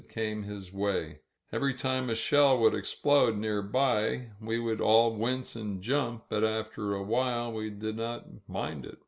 Every time a shell would explode nearby we would all wince and jump, but after a while we did not mind it.